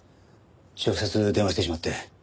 直接電話してしまって。